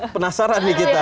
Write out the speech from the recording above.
penasaran nih kita